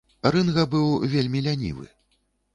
Рынга быў вельмі лянівы.